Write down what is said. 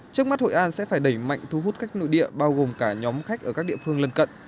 trước mắt hội an sẽ phải đẩy mạnh thu hút khách nội địa bao gồm cả nhóm khách ở các địa phương lân cận